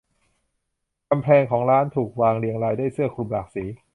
กำแพงของร้านถูกวางเรียงรายด้วยเสื้อคลุมหลากสี